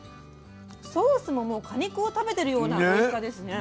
ソースももう果肉を食べてるようなおいしさですね。